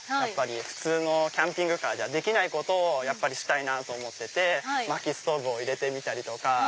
普通のキャンピングカーじゃできないことをしたいと思ってまきストーブを入れてみたりとか。